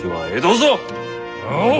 おう！